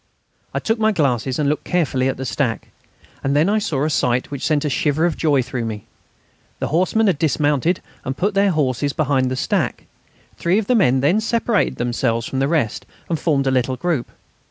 I took my glasses and looked carefully at the stack. And then I saw a sight which sent a shiver of joy through me. The horsemen had dismounted and put their horses behind the stack. Three of the men then separated themselves from the rest and formed a little group.